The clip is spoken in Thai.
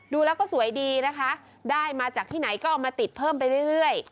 ดูแล้วก็สวยดีนะคะได้มาจากที่ไหนก็เอามาติดเพิ่มไปเรื่อย